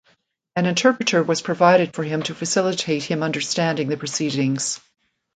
An interpreter was provided for him to facilitate him understanding the proceedings.